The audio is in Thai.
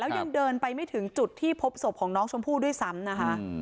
ยังเดินไปไม่ถึงจุดที่พบศพของน้องชมพู่ด้วยซ้ำนะคะ